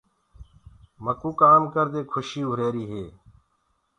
مڪوُ ڪآم ڪردي کُشي هوريري هي۔